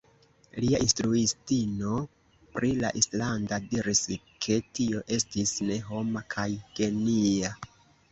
Lia instruistino pri la islanda diris ke tio estis "ne homa" kaj "genia".